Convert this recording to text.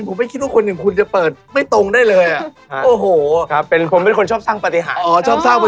ผมไม่คิดว่าคนหนึ่งคุณจะเปิดไม่ตรงได้เลยอ่ะโอ้โหครับ